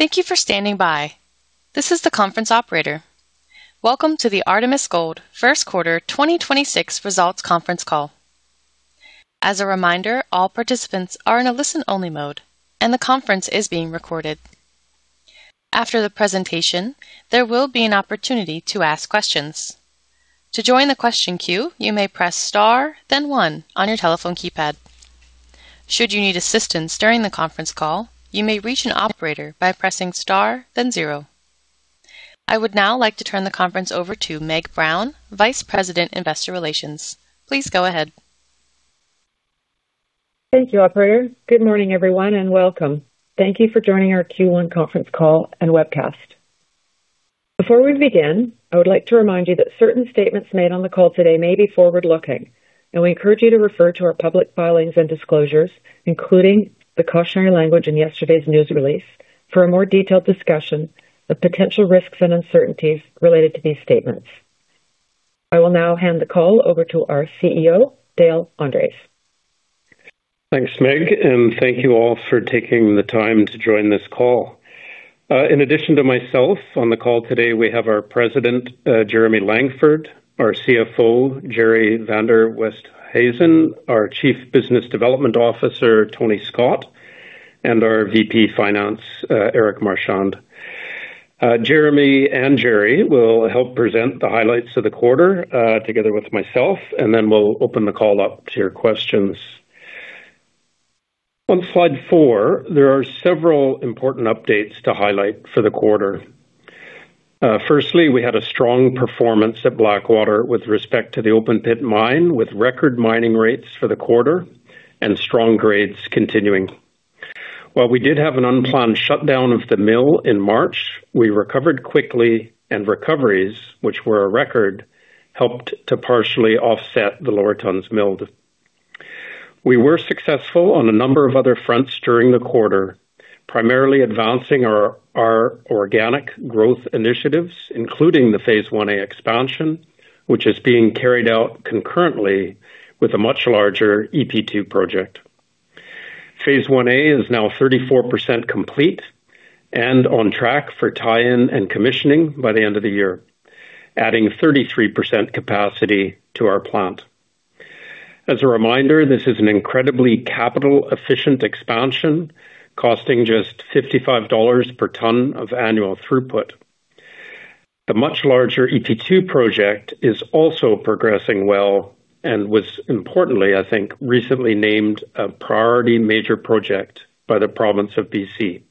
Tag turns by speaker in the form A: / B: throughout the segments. A: Thank you for standing by. This is the conference operator. Welcome to the Artemis Gold First Quarter 2026 Results Conference Call. As a reminder, all participants are in a listen-only mode, and the conference is being recorded. After the presentation, there will be an opportunity to ask questions. To join the question queue, you may press star then one on your telephone keypad. Should you need assistance during the conference call, you may reach an operator by pressing star then zero. I would now like to turn the conference over to Meghan Brown, Vice President, Investor Relations. Please go ahead.
B: Thank you, operator. Good morning, everyone, and welcome. Thank you for joining our Q1 conference call and webcast. Before we begin, I would like to remind you that certain statements made on the call today may be forward-looking, and we encourage you to refer to our public filings and disclosures, including the cautionary language in yesterday's news release for a more detailed discussion of potential risks and uncertainties related to these statements. I will now hand the call over to our CEO, Dale Andres.
C: Thanks, Meg, and thank you all for taking the time to join this call. In addition to myself, on the call today we have our President, Jeremy Langford, our CFO, Gerrie van der Westhuizen, our Chief Business Development Officer, Tony Scott, and our VP Finance, Erik Marchand. Jeremy and Gerrie will help present the highlights of the quarter, together with myself, and then we'll open the call up to your questions. On slide four, there are several important updates to highlight for the quarter. Firstly, we had a strong performance at Blackwater with respect to the open-pit mine, with record mining rates for the quarter and strong grades continuing. While we did have an unplanned shutdown of the mill in March, we recovered quickly, and recoveries, which were a record, helped to partially offset the lower tonnes milled. We were successful on a number of other fronts during the quarter, primarily advancing our organic growth initiatives, including the Phase 1A expansion, which is being carried out concurrently with a much larger EP2 project. Phase 1A is now 34% complete and on track for tie-in and commissioning by the end of the year, adding 33% capacity to our plant. As a reminder, this is an incredibly capital efficient expansion, costing just 55 dollars per tonne of annual throughput. The much larger EP2 project is also progressing well and was importantly, I think, recently named a priority major project by the province of B.C.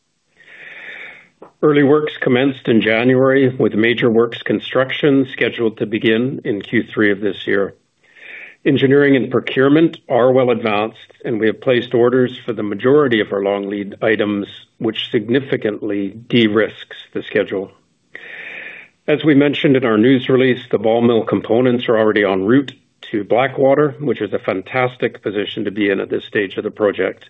C: Early works commenced in January, with major works construction scheduled to begin in Q3 of this year. Engineering and procurement are well advanced, and we have placed orders for the majority of our long lead items, which significantly de-risks the schedule. As we mentioned in our news release, the ball mill components are already en route to Blackwater, which is a fantastic position to be in at this stage of the project.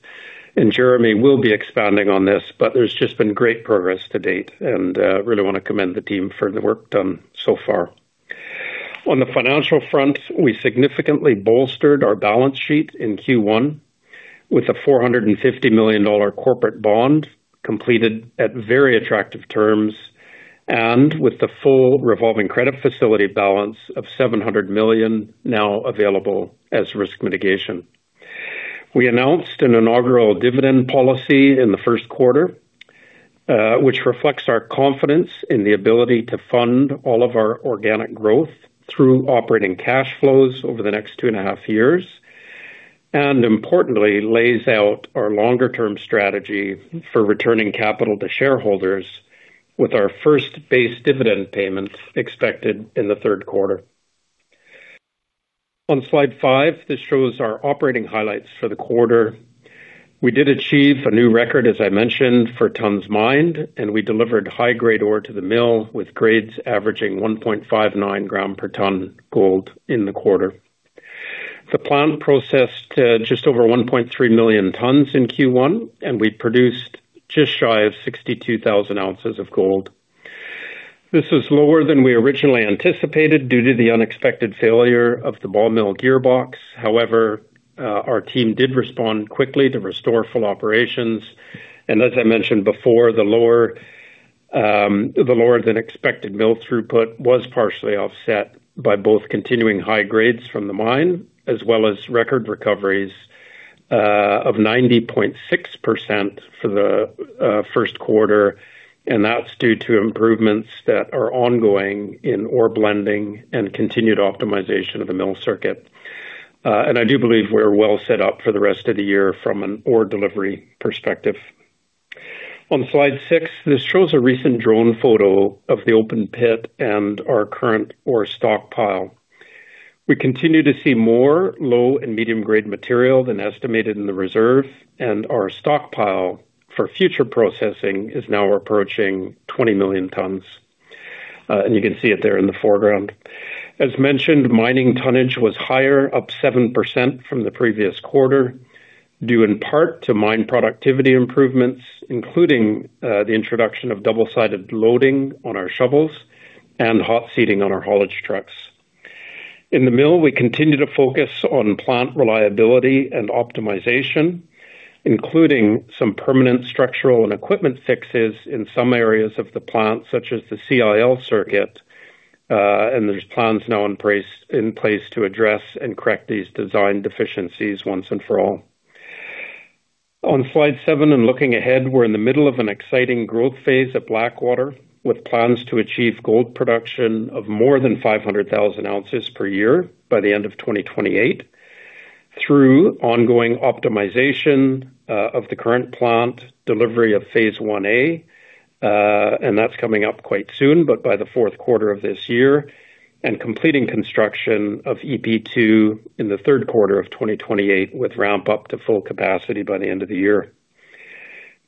C: Jeremy will be expanding on this, but there's just been great progress to date and really want to commend the team for the work done so far. On the financial front, we significantly bolstered our balance sheet in Q1 with a 450 million dollar corporate bond completed at very attractive terms and with the full revolving credit facility balance of 700 million now available as risk mitigation. We announced an inaugural dividend policy in the first quarter, which reflects our confidence in the ability to fund all of our organic growth through operating cash flows over the next 2.5 years. Importantly, lays out our longer-term strategy for returning capital to shareholders with our first base dividend payment expected in the third quarter. On slide five, this shows our operating highlights for the quarter. We did achieve a new record, as I mentioned, for tonnes mined, and we delivered high-grade ore to the mill, with grades averaging 1.59 gram per tonne gold in the quarter. The plant processed just over 1.3 million tonnes in Q1, and we produced just shy of 62,000 ounces of gold. This is lower than we originally anticipated due to the unexpected failure of the ball mill gearbox. However, our team did respond quickly to restore full operations. As I mentioned before, the lower than expected mill throughput was partially offset by both continuing high grades from the mine as well as record recoveries of 90.6% for the first quarter, and that's due to improvements that are ongoing in ore blending and continued optimization of the mill circuit. I do believe we're well set up for the rest of the year from an ore delivery perspective. On slide six, this shows a recent drone photo of the open pit and our current ore stockpile. We continue to see more low and medium-grade material than estimated in the reserve, and our stockpile for future processing is now approaching 20 million tonnes. You can see it there in the foreground. As mentioned, mining tonnage was higher, up 7% from the previous quarter, due in part to mine productivity improvements, including the introduction of double-sided loading on our shovels and hot seating on our haulage trucks. In the mill, we continue to focus on plant reliability and optimization, including some permanent structural and equipment fixes in some areas of the plant, such as the CIL circuit. There's plans now in place to address and correct these design deficiencies once and for all. On slide seven and looking ahead, we're in the middle of an exciting growth phase at Blackwater, with plans to achieve gold production of more than 500,000 ounces per year by the end of 2028 through ongoing optimization of the current plant, delivery of Phase 1A, and that's coming up quite soon, but by the fourth quarter of this year. Completing construction of EP2 in the third quarter of 2028, with ramp up to full capacity by the end of the year.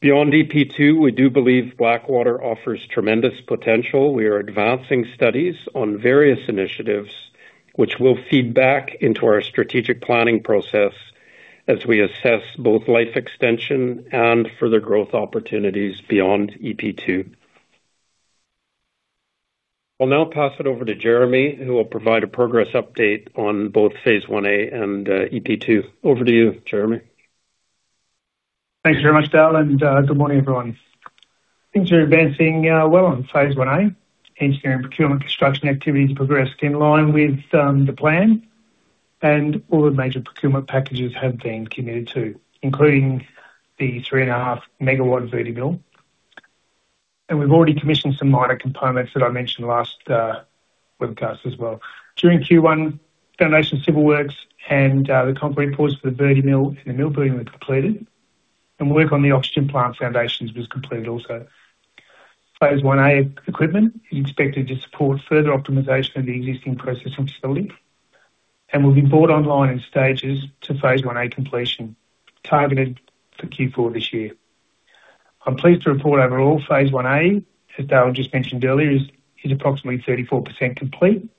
C: Beyond EP2, we do believe Blackwater offers tremendous potential. We are advancing studies on various initiatives which will feed back into our strategic planning process as we assess both life extension and further growth opportunities beyond EP2. I'll now pass it over to Jeremy, who will provide a progress update on both Phase 1A and EP2. Over to you, Jeremy.
D: Thanks very much, Dale. Good morning, everyone. Things are advancing well on Phase 1A. Engineering, procurement, construction activities progressed in line with the plan. All the major procurement packages have been committed to, including the 3.5 MW Vertimill. We've already commissioned some minor components that I mentioned last webcast as well. During Q1, foundation civil works and the concrete pours for the Vertimill in the mill building were completed, and work on the oxygen plant foundations was completed also. Phase 1A equipment is expected to support further optimization of the existing processing facility and will be brought online in stages to Phase 1A completion targeted for Q4 this year. I'm pleased to report overall Phase 1A, as Dale just mentioned earlier, is approximately 34% complete.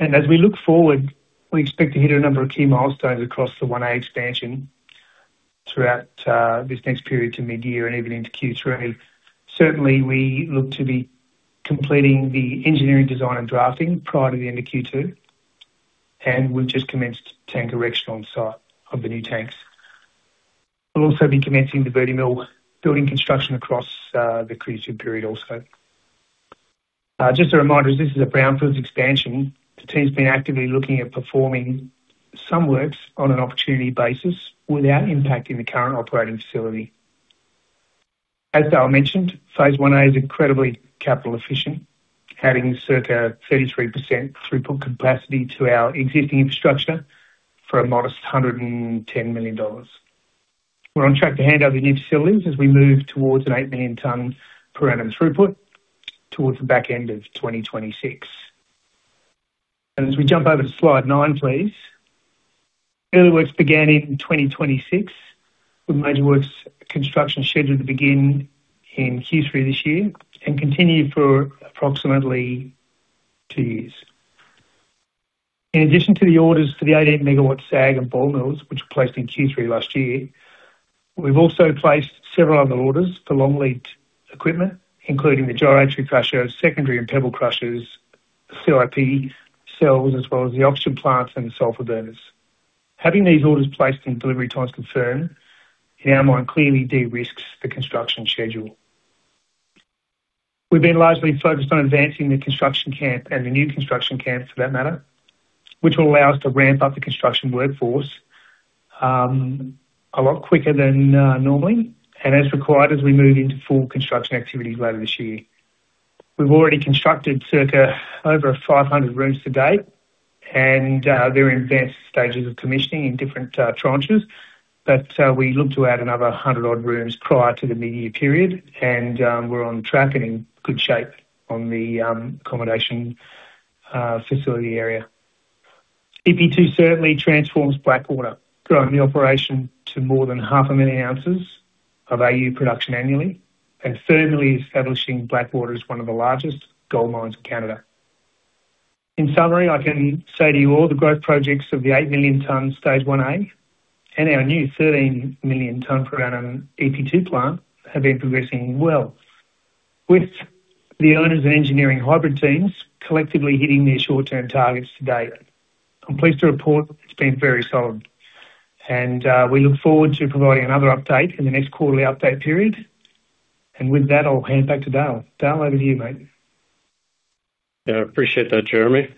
D: As we look forward, we expect to hit a number of key milestones across the Phase 1A expansion throughout this next period to mid-year and even into Q3. Certainly, we look to be completing the engineering design and drafting prior to the end of Q2, and we've just commenced tank erection on site of the new tanks. We'll also be commencing the Vertimill building construction across the creative period also. Just a reminder, as this is a Brownfields expansion, the team's been actively looking at performing some works on an opportunity basis without impacting the current operating facility. As Dale mentioned, Phase 1A is incredibly capital efficient, adding circa 33% throughput capacity to our existing infrastructure for a modest 110 million dollars. We're on track to hand over new facilities as we move towards an 8 million tonnes per annum throughput towards the back end of 2026. As we jump over to slide nine, please. Early works began in 2026, with major works construction scheduled to begin in Q3 this year and continue for approximately two years. In addition to the orders for the 18 megawatt SAG and ball mills, which were placed in Q3 last year, we've also placed several other orders for long lead equipment, including the gyratory crusher, secondary and pebble crushers, CIP cells, as well as the oxygen plants and the sulfur burners. Having these orders placed and delivery times confirmed, in our mind, clearly de-risks the construction schedule. We've been largely focused on advancing the construction camp and the new construction camp for that matter, which will allow us to ramp up the construction workforce, a lot quicker than normally and as required as we move into full construction activities later this year. We've already constructed circa over 500 rooms to date, and they're in advanced stages of commissioning in different tranches. We look to add another 100 odd rooms prior to the mid-year period, and we're on track and in good shape on the accommodation facility area. EP2 certainly transforms Blackwater, growing the operation to more than 500,000 ounces of Au production annually and firmly establishing Blackwater as one of the largest gold mines in Canada. In summary, I can say to you all the growth projects of the 8 million ton Phase 1A and our new 13 million ton per annum EP2 plant have been progressing well, with the owners and engineering hybrid teams collectively hitting their short-term targets to date. I'm pleased to report it's been very solid. We look forward to providing another update in the next quarterly update period. With that, I'll hand back to Dale. Dale, over to you, mate.
C: Yeah, I appreciate that, Jeremy.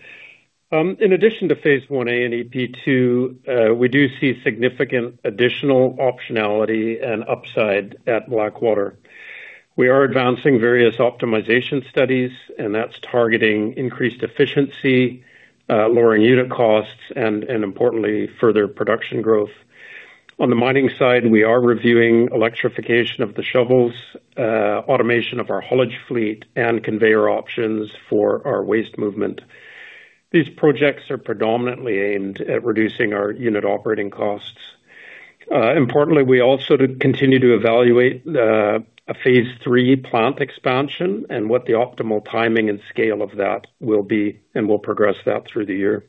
C: In addition to Phase 1A and EP2, we do see significant additional optionality and upside at Blackwater. We are advancing various optimization studies, and that's targeting increased efficiency, lowering unit costs and importantly, further production growth. On the mining side, we are reviewing electrification of the shovels, automation of our haulage fleet and conveyor options for our waste movement. These projects are predominantly aimed at reducing our unit operating costs. Importantly, we also do continue to evaluate a Phase 3 plant expansion and what the optimal timing and scale of that will be, and we'll progress that through the year.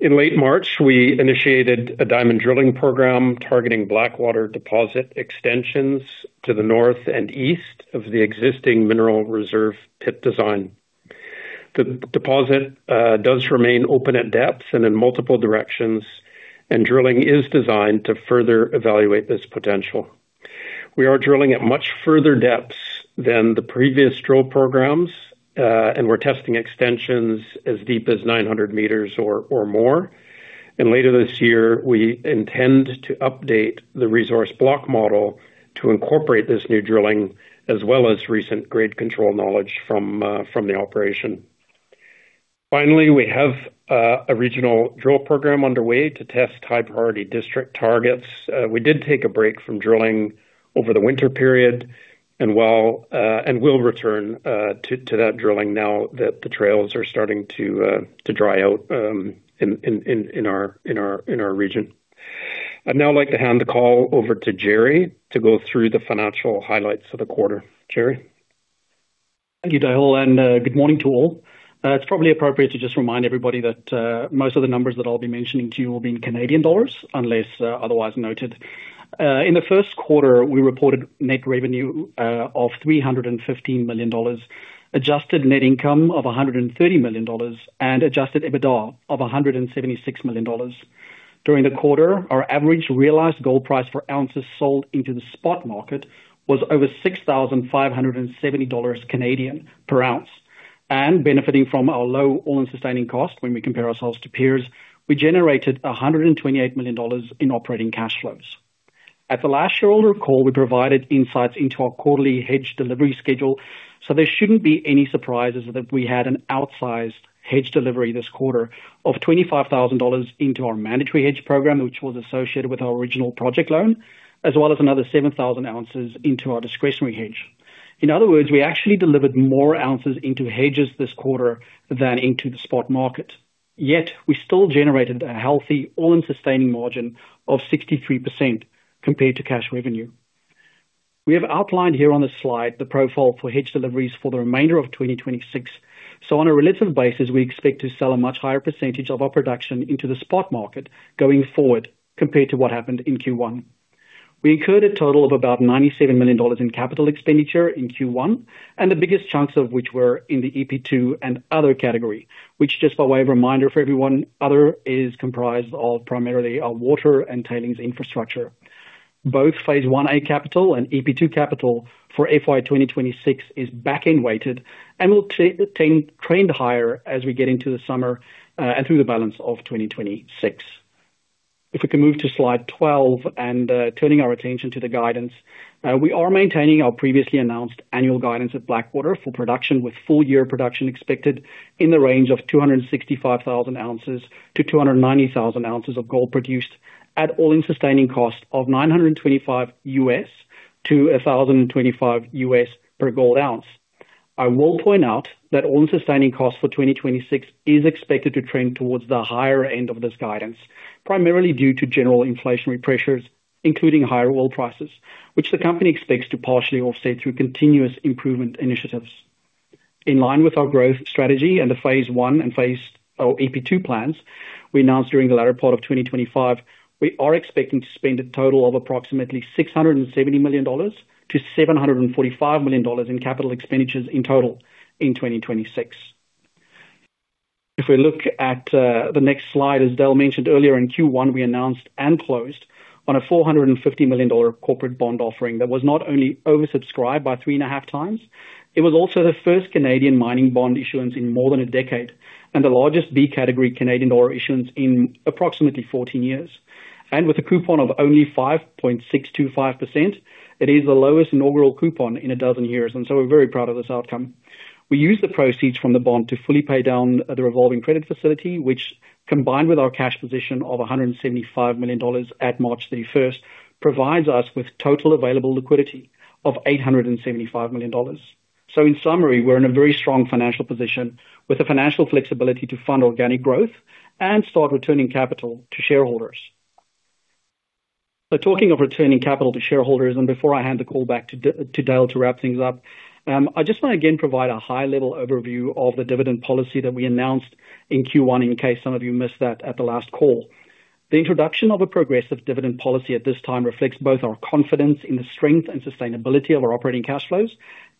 C: In late March, we initiated a diamond drilling program targeting Blackwater deposit extensions to the north and east of the existing mineral reserve pit design. The deposit does remain open at depths and in multiple directions, and drilling is designed to further evaluate this potential. We are drilling at much further depths than the previous drill programs, and we're testing extensions as deep as 900 meters or more. Later this year, we intend to update the resource block model to incorporate this new drilling, as well as recent grade control knowledge from the operation. Finally, we have a regional drill program underway to test high-priority district targets. We did take a break from drilling over the winter period and will return to that drilling now that the trails are starting to dry out in our region. I'd now like to hand the call over to Gerrie to go through the financial highlights for the quarter. Gerrie?
E: Thank you, Dale, and good morning to all. It's probably appropriate to just remind everybody that most of the numbers that I'll be mentioning to you will be in Canadian dollars unless otherwise noted. In the first quarter, we reported net revenue of 315 million dollars, adjusted net income of 130 million dollars, and adjusted EBITDA of 176 million dollars. During the quarter, our average realized gold price per ounces sold into the spot market was over 6,570 Canadian dollars per ounce. Benefiting from our low all-in sustaining cost when we compare ourselves to peers, we generated 128 million dollars in operating cash flows. At the last shareholder call, we provided insights into our quarterly hedge delivery schedule, so there shouldn't be any surprises that we had an outsized hedge delivery this quarter of 25,000 dollars into our mandatory hedge program, which was associated with our original project loan, as well as another 7,000 ounces into our discretionary hedge. In other words, we actually delivered more ounces into hedges this quarter than into the spot market, yet we still generated a healthy all-in sustaining margin of 63% compared to cash revenue. We have outlined here on this slide the profile for hedge deliveries for the remainder of 2026. On a relative basis, we expect to sell a much higher percentage of our production into the spot market going forward compared to what happened in Q1. We incurred a total of about 97 million dollars in capital expenditure in Q1, and the biggest chunks of which were in the EP2 and other category, which just by way of reminder for everyone, other is comprised of primarily our water and tailings infrastructure. Both Phase 1A capital and EP2 capital for FY 2026 is back-end weighted and will trend higher as we get into the summer and through the balance of 2026. If we could move to slide 12 and turning our attention to the guidance. We are maintaining our previously announced annual guidance at Blackwater for production, with full-year production expected in the range of 265,000 ounces to 290,000 ounces of gold produced at all-in sustaining cost of $925-$1,025 per gold ounce. I will point out that all-in sustaining cost for 2026 is expected to trend towards the higher end of this guidance, primarily due to general inflationary pressures, including higher oil prices, which the company expects to partially offset through continuous improvement initiatives. In line with our growth strategy and the Phase 1 and Phase 2 or EP2 plans we announced during the latter part of 2025, we are expecting to spend a total of approximately 670 million-745 million dollars in capital expenditures in total in 2026. If we look at the next slide, as Dale mentioned earlier, in Q1, we announced and closed on a 450 million dollar corporate bond offering that was not only oversubscribed by three and a half times, it was also the first Canadian mining bond issuance in more than a decade and the largest B category Canadian dollar issuance in approximately 14 years. With a coupon of only 5.625%, it is the lowest inaugural coupon in a dozen years, and so we're very proud of this outcome. We used the proceeds from the bond to fully pay down the revolving credit facility, which, combined with our cash position of 175 million dollars at March 31st, provides us with total available liquidity of 875 million dollars. In summary, we're in a very strong financial position with the financial flexibility to fund organic growth and start returning capital to shareholders. Talking of returning capital to shareholders, and before I hand the call back to Dale to wrap things up, I just want to again provide a high-level overview of the dividend policy that we announced in Q1 in case some of you missed that at the last call. The introduction of a progressive dividend policy at this time reflects both our confidence in the strength and sustainability of our operating cash flows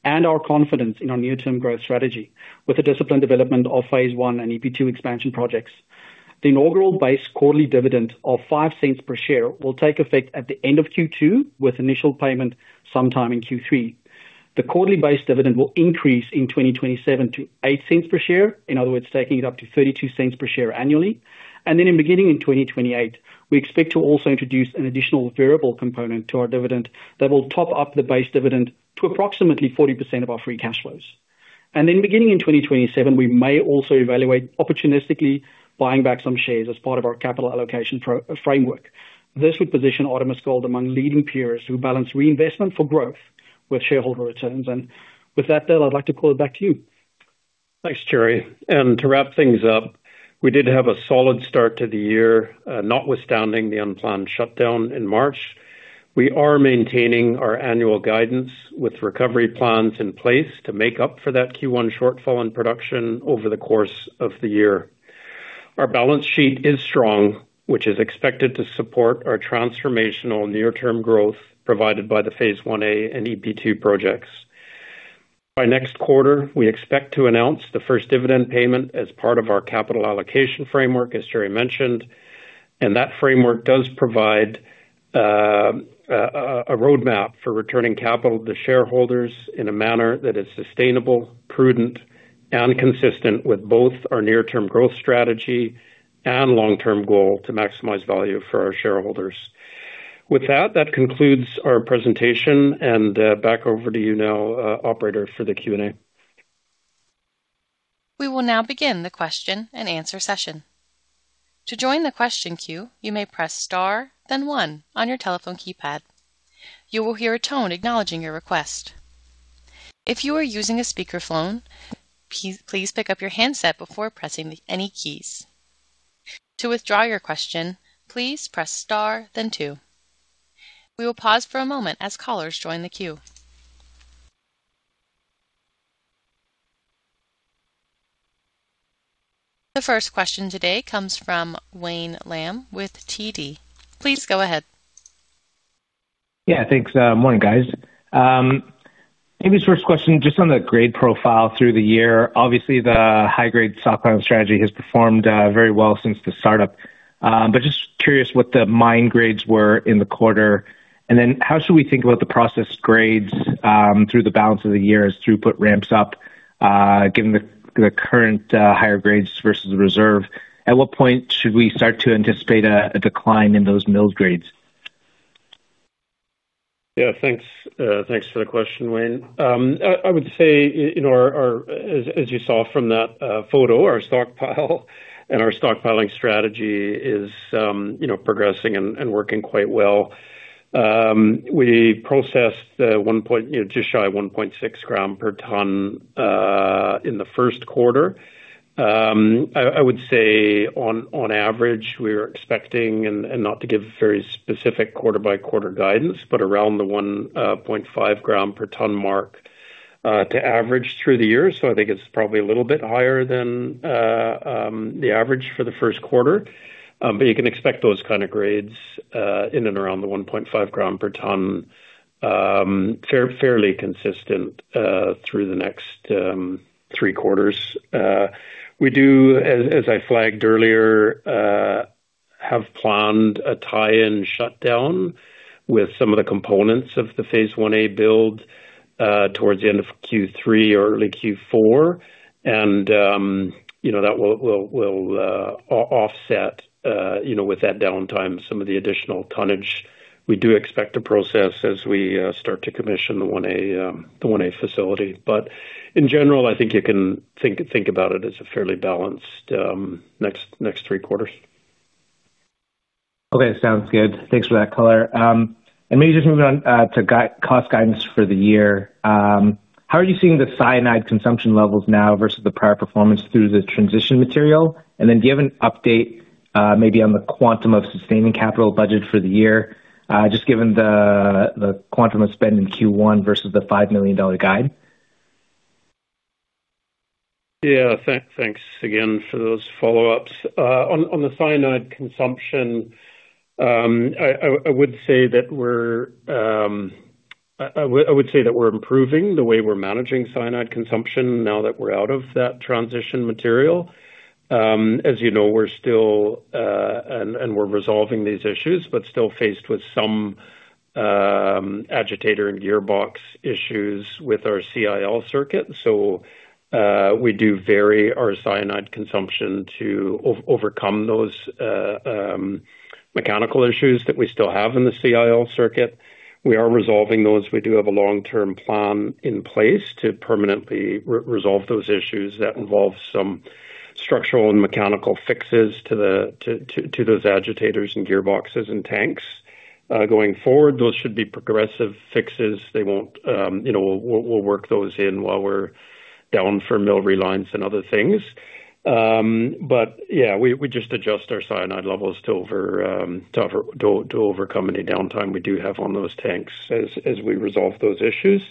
E: and our confidence in our near-term growth strategy with the disciplined development of Phase 1 and EP 2 expansion projects. The inaugural base quarterly dividend of 0.05 per share will take effect at the end of Q2, with initial payment sometime in Q3. The quarterly base dividend will increase in 2027 to 0.08 per share. In other words, taking it up to 0.32 per share annually. In beginning in 2028, we expect to also introduce an additional variable component to our dividend that will top up the base dividend to approximately 40% of our free cash flows. Beginning in 2027, we may also evaluate opportunistically buying back some shares as part of our capital allocation framework. This would position Artemis Gold among leading peers who balance reinvestment for growth with shareholder returns. With that, Dale, I'd like to call it back to you.
C: Thanks, Gerrie. To wrap things up, we did have a solid start to the year, notwithstanding the unplanned shutdown in March. We are maintaining our annual guidance with recovery plans in place to make up for that Q1 shortfall in production over the course of the year. Our balance sheet is strong, which is expected to support our transformational near-term growth provided by the Phase 1A and EP2 projects. By next quarter, we expect to announce the first dividend payment as part of our capital allocation framework, as Gerrie mentioned. That framework does provide a roadmap for returning capital to shareholders in a manner that is sustainable, prudent, and consistent with both our near-term growth strategy and long-term goal to maximize value for our shareholders. With that concludes our presentation, and back over to you now, operator, for the Q&A.
A: We will now begin the question-and-answer session. We will pause for a moment as callers join the queue. The first question today comes from Wayne Lam with TD. Please go ahead.
F: Yeah, thanks. Morning, guys. Maybe the first question, just on the grade profile through the year. Obviously, the high-grade stockpile strategy has performed very well since the startup. But just curious what the mine grades were in the quarter. How should we think about the process grades through the balance of the year as throughput ramps up, given the current higher grades versus the reserve? At what point should we start to anticipate a decline in those mill grades?
C: Yeah, thanks. Thanks for the question, Wayne. I would say in our as you saw from that photo, our stockpile and our stockpiling strategy is, you know, progressing and working quite well. We processed, one point, you know, just shy 1.6 gram per ton, in the first quarter. I would say on average, we're expecting, and not to give very specific quarter-by-quarter guidance, but around the 1.5 gram per ton mark, to average through the year. I think it's probably a little bit higher than the average for the first quarter. But you can expect those kind of grades, in and around the 1.5 gram per ton, fairly consistent, through the next three quarters. We do, as I flagged earlier, have planned a tie-in shutdown with some of the components of the Phase 1A build towards the end of Q3 or early Q4. You know, that will offset with that downtime some of the additional tonnage we do expect to process as we start to commission the 1A, the 1A facility. In general, I think you can think about it as a fairly balanced next three quarters.
F: Okay. Sounds good. Thanks for that color. Maybe just moving on to cost guidance for the year. How are you seeing the cyanide consumption levels now versus the prior performance through the transition material? Do you have an update, maybe on the quantum of sustaining capital budget for the year, just given the quantum of spend in Q1 versus the 5 million dollar guide?
C: Yeah. Thanks again for those follow-ups. On the cyanide consumption, I would say that we're improving the way we're managing cyanide consumption now that we're out of that transition material. As you know, we're still and we're resolving these issues but still faced with some agitator and gearbox issues with our CIL circuit. We do vary our cyanide consumption to overcome those mechanical issues that we still have in the CIL circuit. We are resolving those. We do have a long-term plan in place to permanently resolve those issues that involve some structural and mechanical fixes to those agitators and gearboxes and tanks. Going forward, those should be progressive fixes. They won't, you know, we'll work those in while we're down for mill reliance and other things. Yeah, we just adjust our cyanide levels to overcome any downtime we do have on those tanks as we resolve those issues.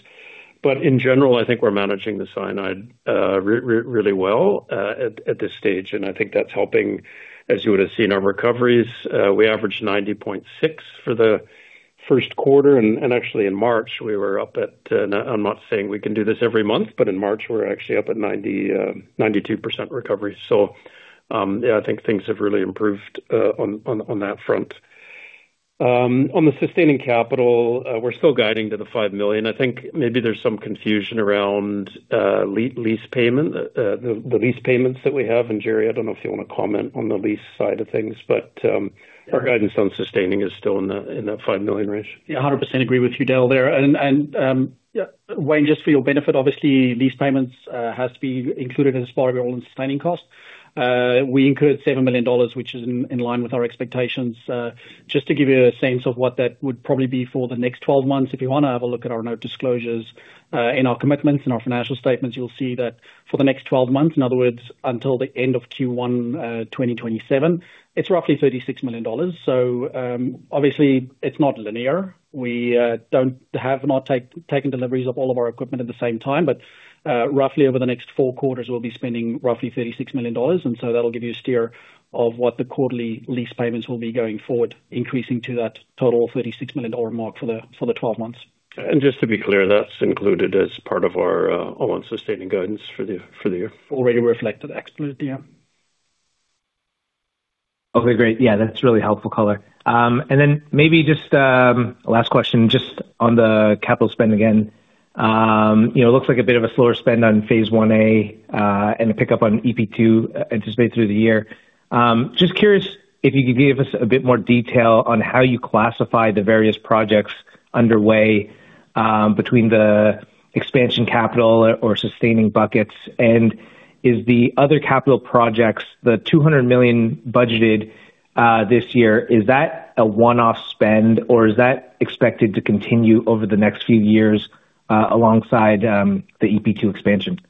C: In general, I think we're managing the cyanide really well at this stage, and I think that's helping. As you would have seen our recoveries, we averaged 90.6% for the first quarter, and actually in March, we were up at, and I'm not saying we can do this every month, but in March, we're actually up at 92% recovery. Yeah, I think things have really improved on that front. on the sustaining capital, we're still guiding to 5 million. I think maybe there's some confusion around lease payment, the lease payments that we have. Gerrie, I don't know if you wanna comment on the lease side of things, but
E: Sure.
C: Our guidance on sustaining is still in that 5 million range.
E: Yeah, 100% agree with you, Dale, there. Wayne, just for your benefit, obviously lease payments has to be included as part of your all-in sustaining cost. We incurred 7 million dollars, which is in line with our expectations. Just to give you a sense of what that would probably be for the next 12 months, if you wanna have a look at our note disclosures in our commitments in our financial statements, you'll see that for the next 12 months, in other words, until the end of Q1 2027, it's roughly 36 million dollars. Obviously it's not linear. We have not taken deliveries of all of our equipment at the same time. Roughly over the next four quarters, we'll be spending roughly 36 million dollars, and so that'll give you a steer of what the quarterly lease payments will be going forward, increasing to that total of 36 million dollar mark for the twelve months.
C: Just to be clear, that's included as part of our all-in sustaining guidance for the year.
E: Already reflected. Absolutely. Yeah.
F: Okay, great. Yeah, that's really helpful color. And then maybe just last question, just on the capital spend again. You know, it looks like a bit of a slower spend on Phase 1A and a pickup on EP2 anticipated through the year. Just curious if you could give us a bit more detail on how you classify the various projects underway between the expansion capital or sustaining buckets. Is the other capital projects, the 200 million budgeted this year, is that a one-off spend or is that expected to continue over the next few years alongside the EP2 expansion?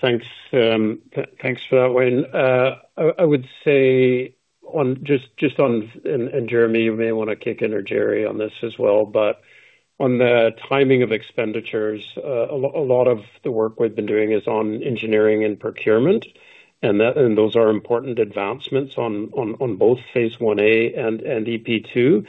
C: Thanks for that, Wayne. I would say on, just on Jeremy, you may want to kick in or Gerrie on this as well, but on the timing of expenditures, a lot of the work we've been doing is on engineering and procurement, and those are important advancements on both Phase 1A and EP2.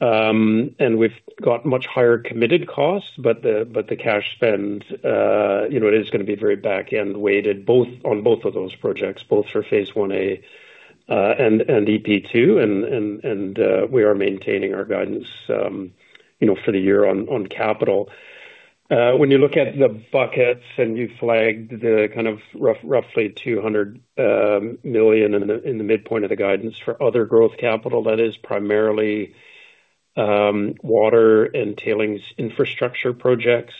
C: We've got much higher committed costs, but the cash spend, you know, it is gonna be very back-end weighted on both of those projects, both for Phase 1A and EP2. We are maintaining our guidance, you know, for the year on capital. When you look at the buckets and you flag the kind of rough, roughly 200 million in the, in the midpoint of the guidance for other growth capital, that is primarily water and tailings infrastructure projects.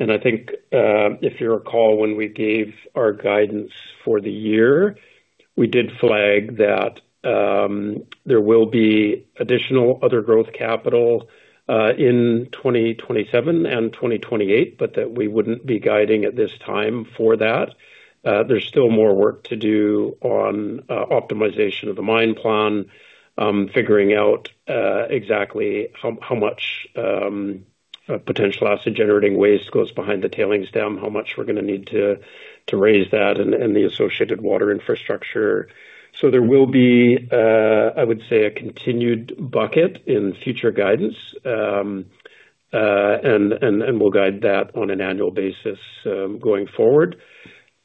C: I think, if you recall, when we gave our guidance for the year, we did flag that there will be additional other growth capital in 2027 and 2028, that we wouldn't be guiding at this time for that. There's still more work to do on optimization of the mine plan, figuring out exactly how much potential acid generating waste goes behind the tailings dam. How much we're gonna need to raise that and the associated water infrastructure. There will be, I would say, a continued bucket in future guidance. We'll guide that on an annual basis going forward.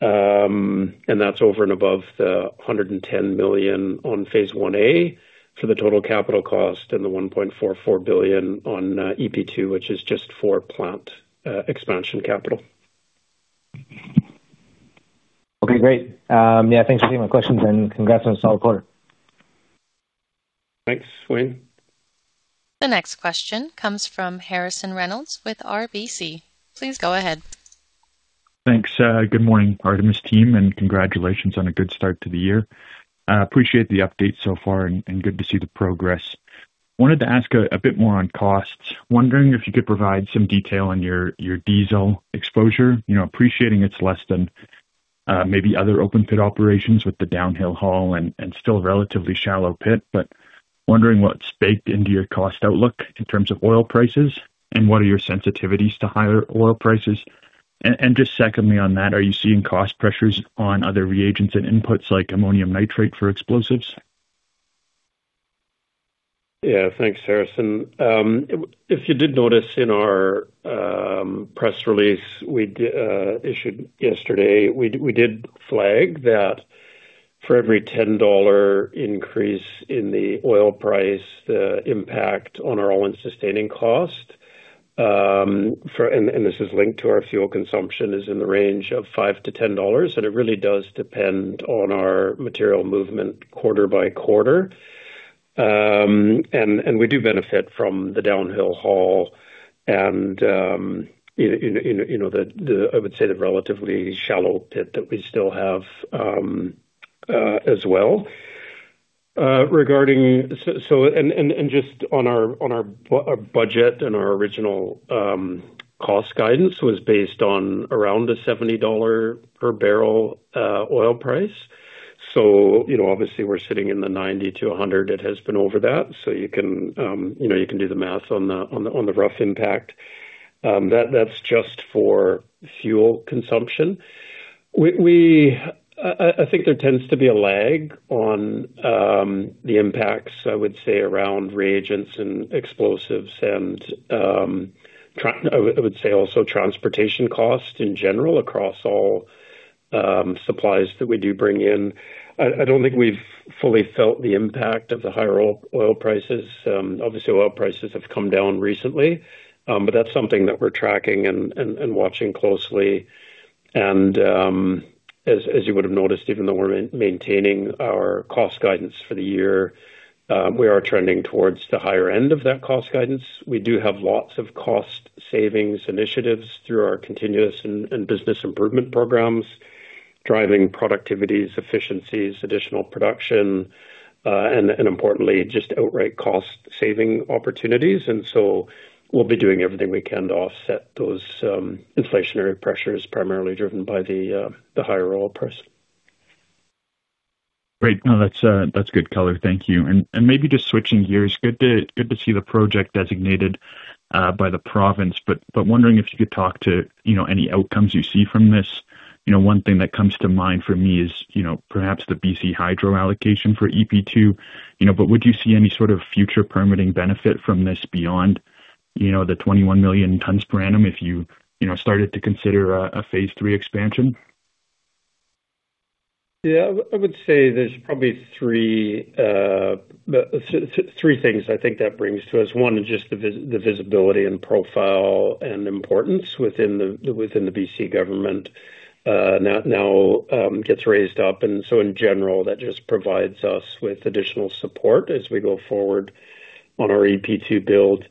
C: That's over and above the 110 million on Phase 1A for the total capital cost and the 1.44 billion on EP2, which is just for plant expansion capital.
F: Okay, great. yeah, thanks for taking my questions, and congrats on a solid quarter.
C: Thanks, Wayne.
A: The next question comes from Harrison Reynolds with RBC. Please go ahead.
G: Thanks. Good morning Artemis team, and congratulations on a good start to the year. Appreciate the update so far and good to see the progress. Wanted to ask a bit more on costs. Wondering if you could provide some detail on your diesel exposure. You know, appreciating it's less than maybe other open pit operations with the downhill haul and still relatively shallow pit, but wondering what's baked into your cost outlook in terms of oil prices, and what are your sensitivities to higher oil prices. Just secondly on that, are you seeing cost pressures on other reagents and inputs like ammonium nitrate for explosives?
C: Yeah. Thanks, Harrison. If you did notice in our press release we did issued yesterday, we did flag that for every 10 dollar increase in the oil price, the impact on our own sustaining cost, for this is linked to our fuel consumption, is in the range of 5-10 dollars, and it really does depend on our material movement quarter by quarter. We do benefit from the downhill haul and, you know, the I would say the relatively shallow pit that we still have, as well. Regarding just on our budget and our original cost guidance was based on around 70 dollar per barrel oil price. You know, obviously we're sitting in the 90-100. It has been over that. You can, you know, you can do the math on the rough impact. That's just for fuel consumption. I think there tends to be a lag on the impacts, I would say, around reagents and explosives and I would say also transportation costs in general across all supplies that we do bring in. I don't think we've fully felt the impact of the higher oil prices. Obviously oil prices have come down recently. That's something that we're tracking and watching closely. As you would have noticed, even though we're maintaining our cost guidance for the year, we are trending towards the higher end of that cost guidance. We do have lots of cost savings initiatives through our continuous and business improvement programs, driving productivities, efficiencies, additional production, and importantly just outright cost saving opportunities. We'll be doing everything we can to offset those inflationary pressures, primarily driven by the higher oil price.
G: Great. No, that's good color. Thank you. Maybe just switching gears. Good to see the project designated by the province, but wondering if you could talk to, you know, any outcomes you see from this. You know, one thing that comes to mind for me is, you know, perhaps the BC Hydro allocation for EP2. You know, but would you see any sort of future permitting benefit from this beyond You know, the 21 million tons per annum, if you know, started to consider a Phase 3 expansion.
C: Yeah. I would say there's probably three things I think that brings to us. One is just the visibility and profile and importance within the BC government now gets raised up. In general, that just provides us with additional support as we go forward on our EP2 build.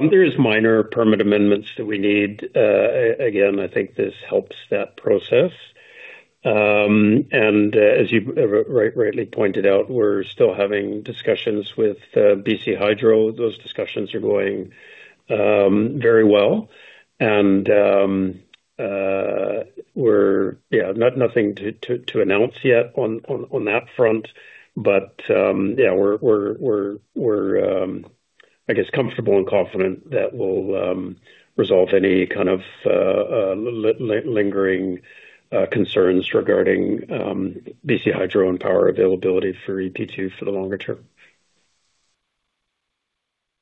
C: There is minor permit amendments that we need. Again, I think this helps that process. As you've rightly pointed out, we're still having discussions with BC Hydro. Those discussions are going very well. Yeah, nothing to announce yet on that front. Yeah, we're, I guess, comfortable and confident that we'll resolve any kind of lingering concerns regarding BC Hydro and power availability for EP2 for the longer term.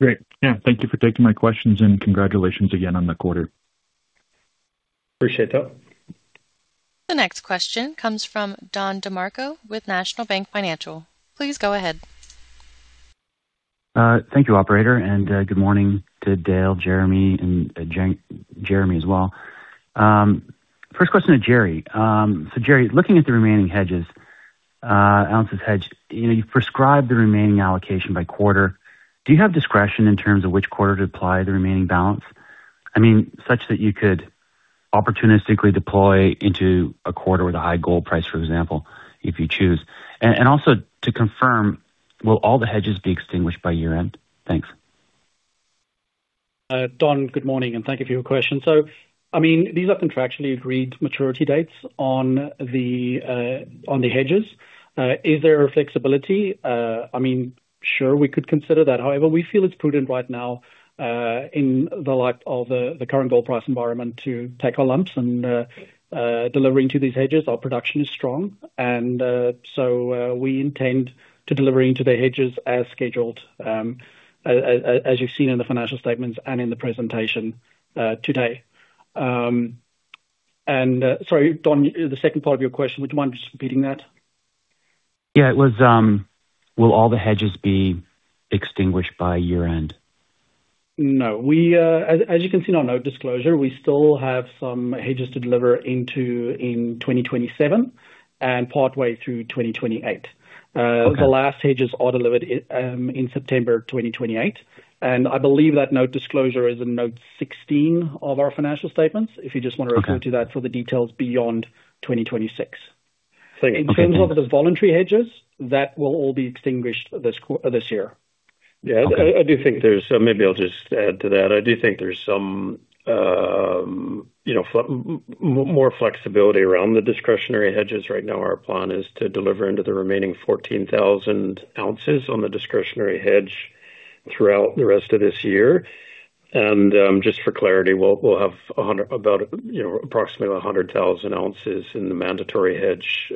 G: Great. Yeah, thank you for taking my questions, and congratulations again on the quarter.
C: Appreciate that.
A: The next question comes from Don DeMarco with National Bank Financial. Please go ahead.
H: Thank you, operator. Good morning to Dale, Jeremy, and Gerrie as well. First question to Gerrie. Gerrie, looking at the remaining hedges, ounces hedged, you know, you prescribe the remaining allocation by quarter. Do you have discretion in terms of which quarter to apply the remaining balance? I mean, such that you could opportunistically deploy into a quarter with a high gold price, for example, if you choose. Also to confirm, will all the hedges be extinguished by year-end? Thanks.
E: Don, good morning, and thank you for your question. I mean, these are contractually agreed maturity dates on the hedges. Is there a flexibility? I mean, sure, we could consider that. However, we feel it's prudent right now in the light of the current gold price environment to take our lumps and deliver into these hedges. Our production is strong and we intend to deliver into the hedges as scheduled as you've seen in the financial statements and in the presentation today. Sorry, Don, the second part of your question, would you mind just repeating that?
H: Will all the hedges be extinguished by year-end?
E: No. We, as you can see in our note disclosure, we still have some hedges to deliver into in 2027 and partway through 2028.
H: Okay.
E: The last hedges are delivered, in September 2028. I believe that note disclosure is in note 16 of our financial statements, if you just wanna refer-
H: Okay.
E: to that for the details beyond 2026.
H: Thank you.
E: In terms of the voluntary hedges, that will all be extinguished this year.
C: Yeah.
H: Okay.
C: I do think there's some. Maybe I'll just add to that. I do think there's some, you know, more flexibility around the discretionary hedges right now. Our plan is to deliver into the remaining 14,000 ounces on the discretionary hedge throughout the rest of this year. Just for clarity, we'll have about, you know, approximately 100,000 ounces in the mandatory hedge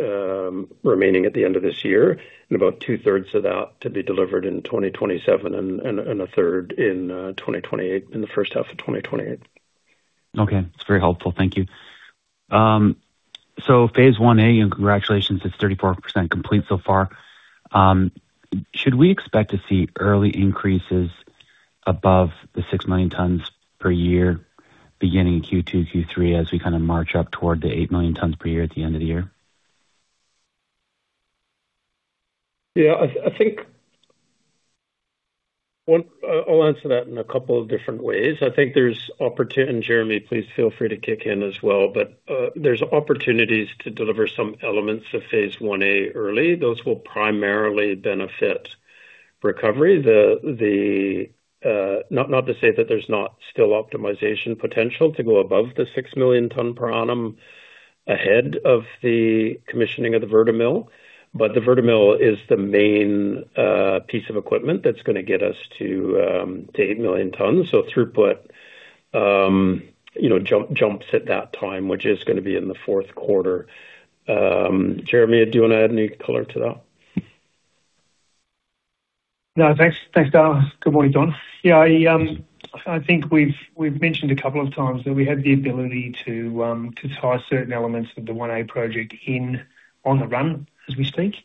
C: remaining at the end of this year, and about two-thirds of that to be delivered in 2027 and a third in 2028, in the first half of 2028.
H: Okay. That's very helpful. Thank you. Phase 1A, and congratulations, it's 34% complete so far. Should we expect to see early increases above the 6 million tons per year beginning Q2, Q3, as we kinda march up toward the 8 million tons per year at the end of the year?
C: Yeah. I think well, I'll answer that in a couple of different ways. I think there's opportunities to deliver some elements of Phase 1A early. Those will primarily benefit recovery. Not to say that there's not still optimization potential to go above the six million ton per annum ahead of the commissioning of the Vertimill, but the Vertimill is the main piece of equipment that's gonna get us to eight million tons. Throughput, you know, jumps at that time, which is gonna be in the fourth quarter. Jeremy, do you wanna add any color to that?
D: No, thanks. Thanks, Dale. Good morning, Don. Yeah, I think we've mentioned a couple of times that we have the ability to tie certain elements of the one A project in on the run as we speak.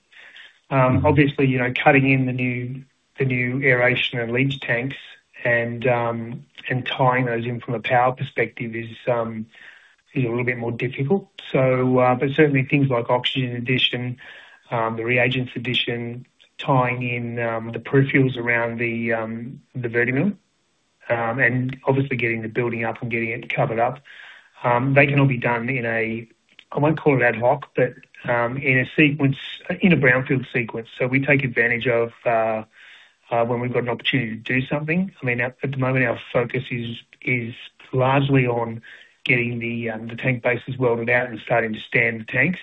D: Obviously, you know, cutting in the new, the new aeration and leach tanks and tying those in from a power perspective is a little bit more difficult. Certainly things like oxygen addition, the reagents addition, tying in the proof fuels around the Vertimill, and obviously getting the building up and getting it covered up, they can all be done in a, I won't call it ad hoc, but in a sequence, in a brownfield sequence. We take advantage of when we've got an opportunity to do something. I mean, at the moment our focus is largely on getting the tank bases welded out and starting to stand the tanks.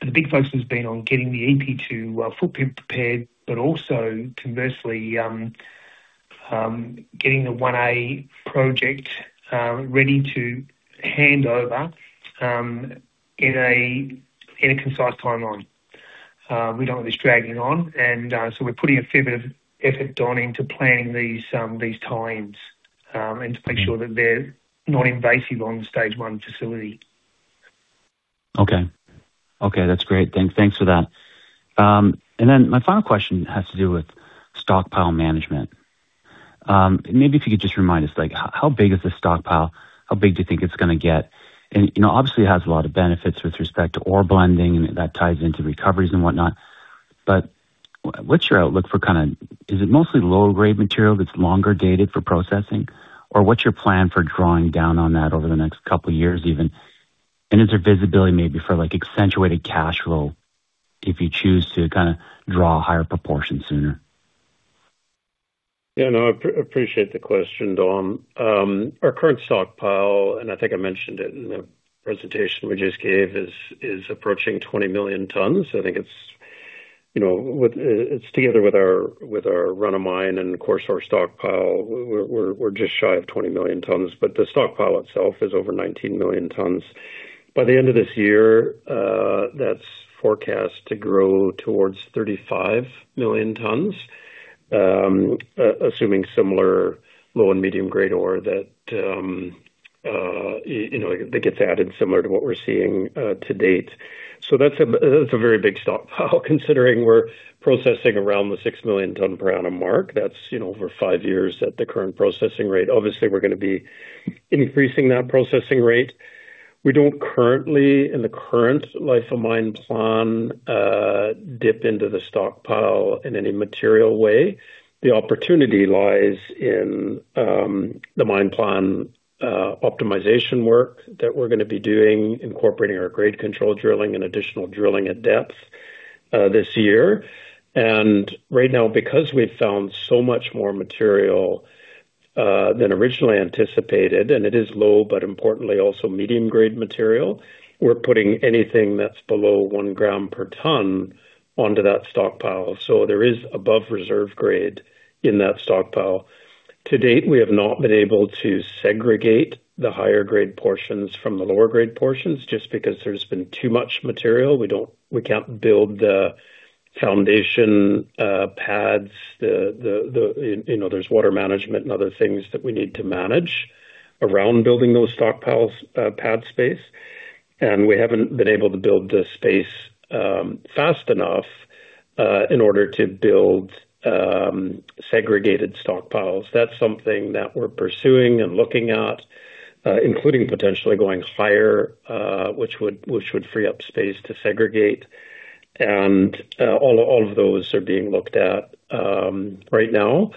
D: The big focus has been on getting the EP2 fully prepared, but also conversely, getting the 1A project ready to hand over in a concise timeline.
C: We don't want this dragging on. We're putting a fair bit of effort, Don, into planning these times, and to make sure that they're not invasive on stage 1 facility.
H: Okay. Okay, that's great. Thanks for that. Then my final question has to do with stockpile management. Maybe if you could just remind us, like how big is the stockpile? How big do you think it's gonna get? You know, obviously it has a lot of benefits with respect to ore blending, and that ties into recoveries and whatnot. What's your outlook for kinda Is it mostly lower grade material that's longer dated for processing? What's your plan for drawing down on that over the next two years even? Is there visibility maybe for like accentuated cash flow if you choose to kinda draw a higher proportion sooner?
C: Yeah, no, I appreciate the question, Don. Our current stockpile, and I think I mentioned it in the presentation we just gave, is approaching 20 million tons. I think it's, you know, it's together with our run of mine and of course our stockpile, we're just shy of 20 million tons. The stockpile itself is over 19 million tons. By the end of this year, that's forecast to grow towards 35 million tons, assuming similar low and medium grade ore that, you know, that gets added similar to what we're seeing to date. That's a very big stockpile considering we're processing around the 6 million ton per annum mark. That's, you know, over five years at the current processing rate. Obviously, we're gonna be increasing that processing rate. We don't currently, in the current life of mine plan, dip into the stockpile in any material way. The opportunity lies in the mine plan optimization work that we're going to be doing, incorporating our grade control drilling and additional drilling at depth this year. Right now, because we've found so much more material than originally anticipated, and it is low but importantly also medium grade material, we're putting anything that's below 1 gram per ton onto that stockpile. There is above reserve grade in that stockpile. To date, we have not been able to segregate the higher grade portions from the lower grade portions just because there's been too much material. We can't build the foundation pads. You know, there's water management and other things that we need to manage around building those stockpiles, pad space. We haven't been able to build the space fast enough in order to build segregated stockpiles. That's something that we're pursuing and looking at, including potentially going higher, which would free up space to segregate. All of those are being looked at right now,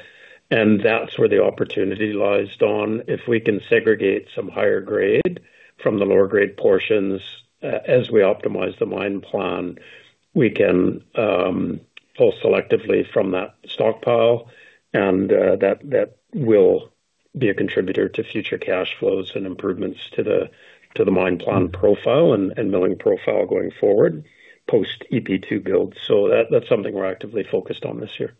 C: and that's where the opportunity lies, Don. If we can segregate some higher grade from the lower grade portions as we optimize the mine plan, we can pull selectively from that stockpile and that will be a contributor to future cash flows and improvements to the mine plan profile and milling profile going forward, post EP2 build. That's something we're actively focused on this year.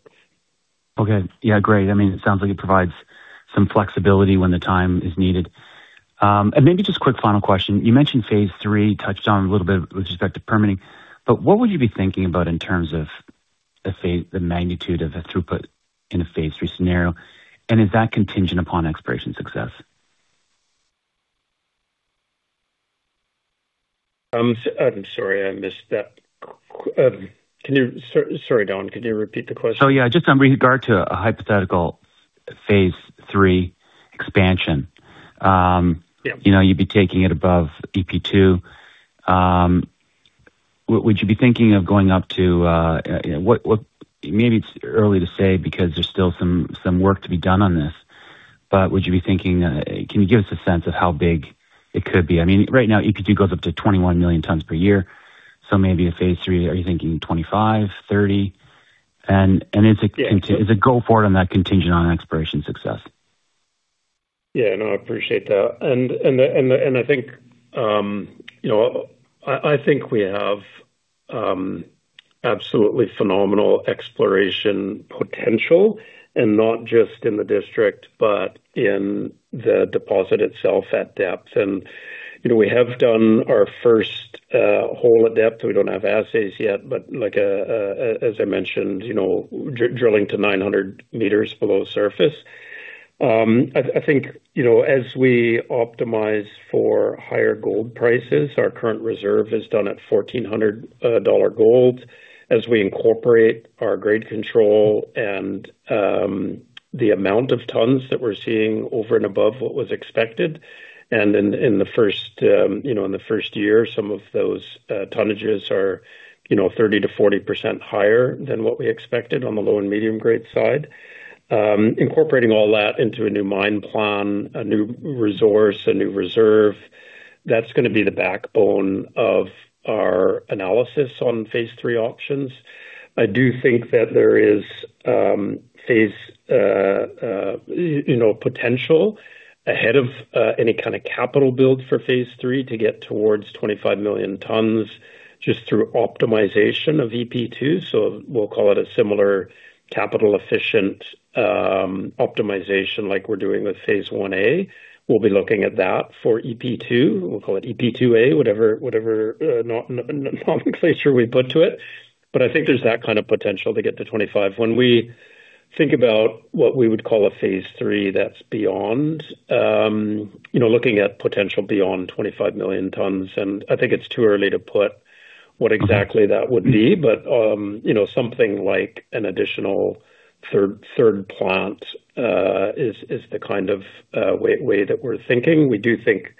H: Okay. Yeah, great. I mean, it sounds like it provides some flexibility when the time is needed. Maybe just quick final question. You mentioned Phase 3, touched on a little bit with respect to permitting. What would you be thinking about in terms of, let's say, the magnitude of the throughput in a Phase 3 scenario, and is that contingent upon exploration success?
C: I'm sorry, I missed that. Sorry, Don, could you repeat the question?
H: Oh, yeah. Just in regard to a hypothetical Phase 3 expansion.
C: Yeah.
H: You know, you'd be taking it above EP2. Would you be thinking of going up to? Maybe it's early to say because there's still some work to be done on this. Would you be thinking, Can you give us a sense of how big it could be? I mean, right now, EP2 goes up to 21 million tons per year. Maybe a Phase 3, are you thinking 25, 30?
C: Yeah.
H: Is a go forward on that contingent on exploration success?
C: No, I appreciate that. I think, you know, I think we have absolutely phenomenal exploration potential, and not just in the district, but in the deposit itself at depth. You know, we have done our first hole at depth. We don't have assays yet, but like, as I mentioned, you know, drilling to 900 meters below surface. I think, you know, as we optimize for higher gold prices, our current reserve is done at 1,400 dollar gold. As we incorporate our grade control and the amount of tons that we're seeing over and above what was expected, and in the first, you know, in the first year, some of those tonnages are, you know, 30%-40% higher than what we expected on the low and medium grade side. Incorporating all that into a new mine plan, a new resource, a new reserve, that's gonna be the backbone of our analysis on Phase 3 options. I do think that there is, you know, potential ahead of any kinda capital build for Phase 3 to get towards 25 million tons just through optimization of EP2. We'll call it a similar capital efficient optimization like we're doing with Phase 1A. We'll be looking at that for EP2. We'll call it EP2A, whatever nomenclature we put to it. I think there's that kind of potential to get to 25. When we think about what we would call a Phase 3 that's beyond, you know, looking at potential beyond 25 million tons. I think it's too early to put what exactly that would be. You know, something like an additional third plant is the kind of way that we're thinking. We do think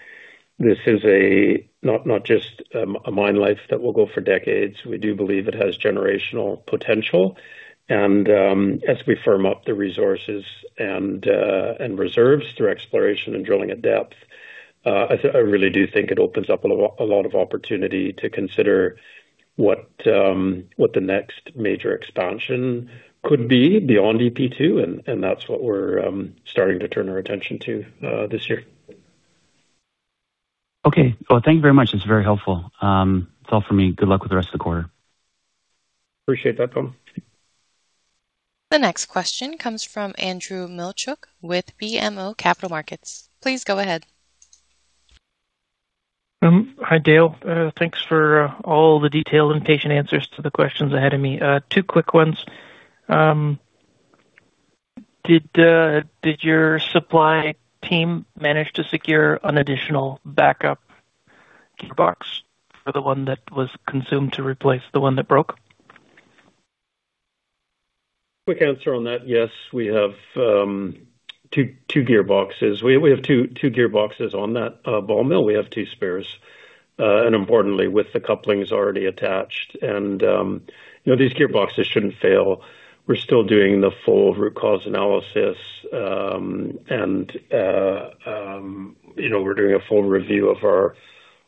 C: this is not just a mine life that will go for decades. We do believe it has generational potential. As we firm up the resources and reserves through exploration and drilling at depth, I really do think it opens up a lot of opportunity to consider what the next major expansion could be beyond EP2, and that's what we're starting to turn our attention to this year.
H: Well, thank you very much. It's very helpful. That's all for me. Good luck with the rest of the quarter.
C: Appreciate that, Don DeMarco.
A: The next question comes from Andrew Mikitchook with BMO Capital Markets. Please go ahead.
I: Hi, Dale. Thanks for all the detailed and patient answers to the questions ahead of me. Two quick ones. Did your supply team manage to secure an additional backup gearbox for the one that was consumed to replace the one that broke?
C: Quick answer on that. Yes, we have two gearboxes. We have two gearboxes on that ball mill. We have two spares, and importantly, with the couplings already attached. You know, these gearboxes shouldn't fail. We're still doing the full root cause analysis, and, you know, we're doing a full review of our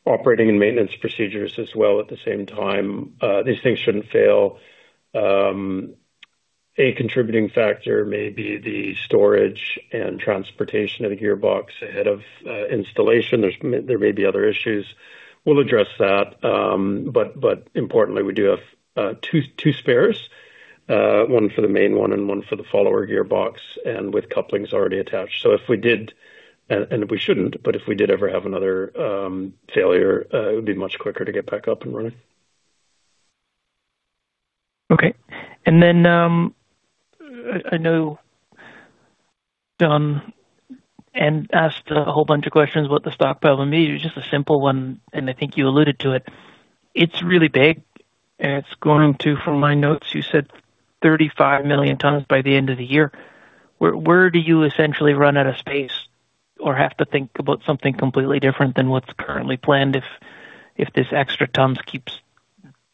C: operating and maintenance procedures as well at the same time. These things shouldn't fail. A contributing factor may be the storage and transportation of the gearbox ahead of installation. There may be other issues. We'll address that. Importantly, we do have two spares, one for the main one and one for the follower gearbox, and with couplings already attached. If we did, and we shouldn't, but if we did ever have another failure, it would be much quicker to get back up and running.
I: Okay. I know Don asked a whole bunch of questions about the stockpile. For me it was just a simple one, and I think you alluded to it. It's really big and it's going to, from my notes you said 35 million tons by the end of the year. Where do you essentially run out of space or have to think about something completely different than what's currently planned if this extra tons keeps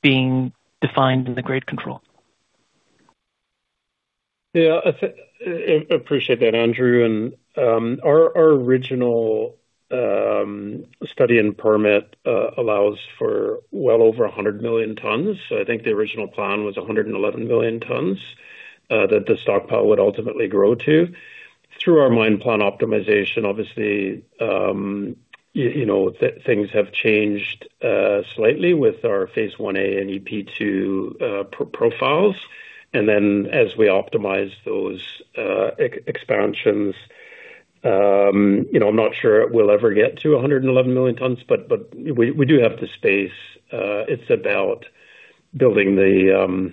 I: being defined in the grade control?
C: I appreciate that, Andrew. Our original study and permit allows for well over 100 million tons. I think the original plan was 111 million tons that the stockpile would ultimately grow to. Through our mine plan optimization obviously, you know, things have changed slightly with our Phase 1A and EP2 profiles. As we optimize those expansions, you know, I'm not sure we'll ever get to 111 million tons, but we do have the space. It's about building the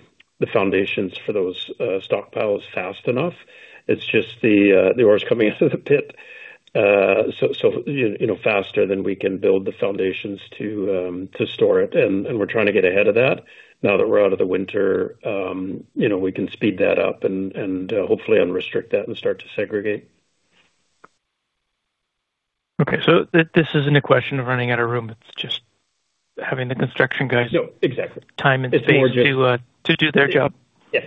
C: foundations for those stockpiles fast enough. It's just the ore's coming out of the pit. So, you know, faster than we can build the foundations to store it. We're trying to get ahead of that. Now that we're out of the winter, you know, we can speed that up and hopefully unrestrict that and start to segregate.
I: Okay. This isn't a question of running out of room, it's just having the construction guys.
C: No. Exactly.
I: time and space to do their job.
C: Yes.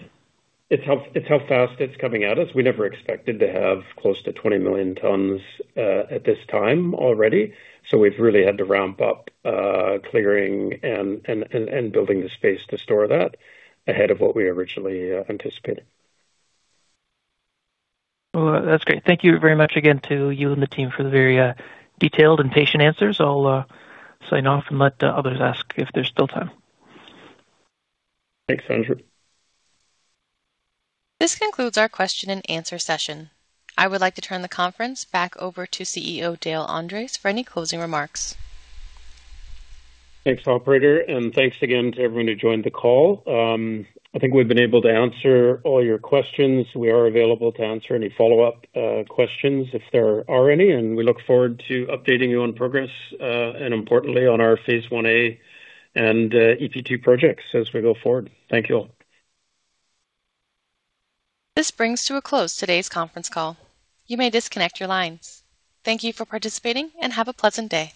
C: It's how fast it's coming at us. We never expected to have close to 20 million tons at this time already. We've really had to ramp up clearing and building the space to store that ahead of what we originally anticipated.
I: Well, that's great. Thank you very much again to you and the team for the very, detailed and patient answers. I'll, sign off and let others ask if there's still time.
C: Thanks, Andrew.
A: This concludes our question and answer session. I would like to turn the conference back over to CEO Dale Andres for any closing remarks.
C: Thanks, operator. Thanks again to everyone who joined the call. I think we've been able to answer all your questions. We are available to answer any follow-up questions if there are any, and we look forward to updating you on progress and importantly on our Phase 1A and EP2 projects as we go forward. Thank you all.
A: This brings to a close today's conference call. You may disconnect your lines. Thank you for participating, and have a pleasant day.